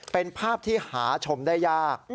เป็นภาพที่หาชมได้ยาก